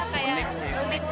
kayak unik gitu